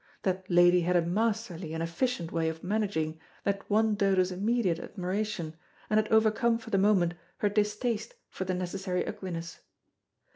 That lady had a masterly and efficient way of managing, that won Dodo's immediate admiration, and had overcome for the moment her distaste for the necessary ugliness.